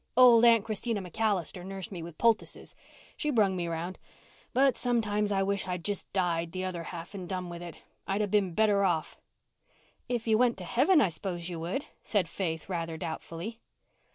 Old Aunt Christina MacAllister nursed me with poultices. She brung me round. But sometimes I wish I'd just died the other half and done with it. I'd been better off." "If you went to heaven I s'pose you would," said Faith, rather doubtfully.